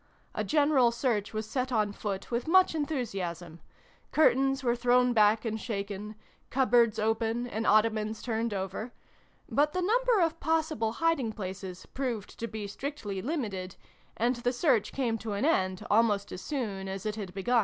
A general search was set on foot with much enthusiasm : curtains were thrown back and shaken, cupboards opened, and ottomans turned over ; but the number of pos sible hiding places proved to be strictly limited ; and the search came to an end almost as soon as it had begun.